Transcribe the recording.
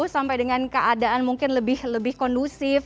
sampai dengan keadaan mungkin lebih kondusif